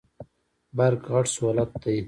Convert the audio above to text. برق غټ سهولت دی.